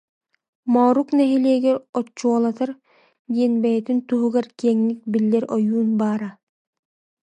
Моорук нэһилиэгэр Оччуолатар диэн бэйэтин туһугар киэҥник биллэр ойуун баара